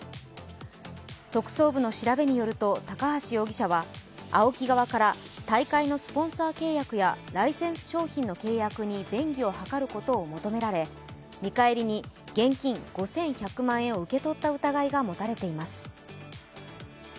特捜部の調べによると、高橋容疑者はＡＯＫＩ側から大会のスポンサー契約やライセンス商品の契約に便宜を図ることを求められ見返りに現金５１００万円を受け取った疑いが持たれています。